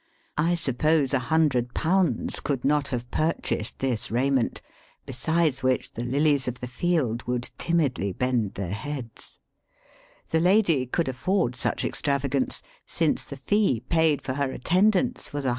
I suppose a hundred pounds could not have purchased this raiment, beside which the lilies of the field would timidly bend their heads* The lady could afford such extravagance, since the fee paid for her attendance was £120.